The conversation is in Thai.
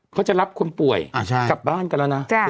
เขาจะรับคนป่วยกลับบ้านกันแล้วนะ